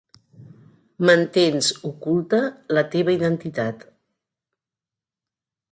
Mantens oculta la teva identitat.